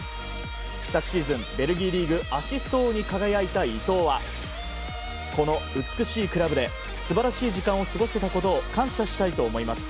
昨シーズンベルギーリーグアシスト王に輝いた伊東はこの美しいクラブで素晴らしい時間を過ごせたことを感謝したいと思います。